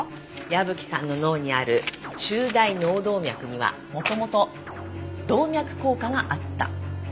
矢吹さんの脳にある中大脳動脈には元々動脈硬化があった。